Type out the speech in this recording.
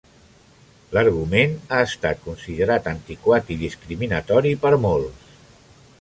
L'argument ha estat considerat antiquat i discriminatori per molts.